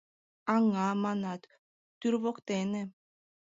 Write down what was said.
Аҥа, манат, тӱр воктене.